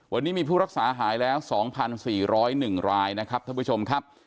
วันนี้มีผู้รักษาหายแล้วสองพันสี่ร้อยหนึ่งรายนะครับท่านผู้ชมครับ